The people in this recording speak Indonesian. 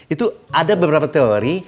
itu ada beberapa teori